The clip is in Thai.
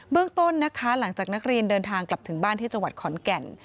เรื่องต้นนะคะหลังจากนักเรียนเดินทางกลับถึงบ้านที่จังหวัดขอนแก่น